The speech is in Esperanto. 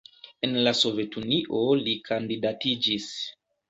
En la Sovetunio li kandidatiĝis.